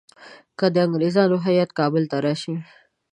که د انګریزانو هیات کابل ته راشي.